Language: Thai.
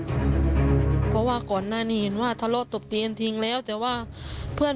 เพราะว่าก่อนนายนี่เห็นว่าทะเลาะต์ปฎีอัณญาชีวิตออกออกทิ้งแล้ว